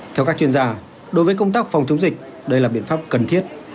theo các chuyên gia đối với công tác phòng chống dịch đây là biện pháp cần thiết